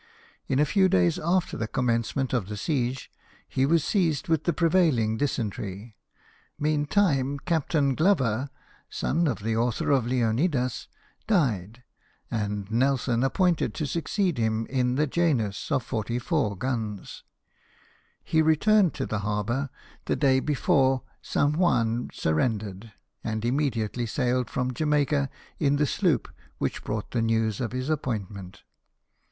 In a few days after the commencement of the siege he was seized with the prevailing dysentery ; meantime Captain Glover (son of the author of " Leonidas ") died, and Nelson was appointed to succeed him in the Janus, of 44 guns. He returned to the harbour the day before St. Juan surrendered, and immediately sailed from Jamaica in the sloop Avhich brought the news of his appointment.